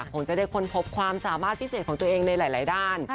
คงจะได้ค้นพบความสามารถพิเศษของตัวเองในหลายด้าน